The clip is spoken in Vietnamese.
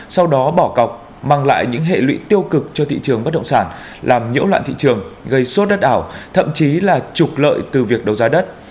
sau đó bỏ cọc mang lại những hệ lụy tiêu cực cho thị trường bất động sản làm nhiễu loạn thị trường gây sốt đất ảo thậm chí là trục lợi từ việc đấu giá đất